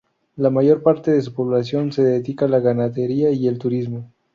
La mayor parte de su población se dedica a la ganadería y el turismo.